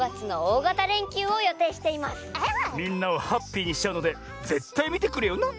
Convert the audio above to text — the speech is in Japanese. みんなをハッピーにしちゃうのでぜったいみてくれよな！